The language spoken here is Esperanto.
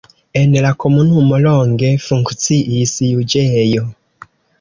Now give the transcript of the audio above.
En la komunumo longe funkciis juĝejo.